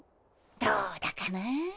どうだかな？